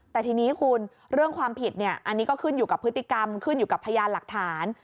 แต่ทีนี้คุณเรื่องความผิดเนี่ยอันนี้ก็ขึ้นอยู่กับพฤติกรรมขึ้นอยู่กับพยานหลักฐาน